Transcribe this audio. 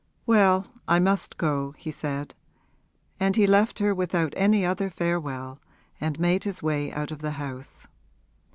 'Well, I must go,' he said; and he left her without any other farewell and made his way out of the house.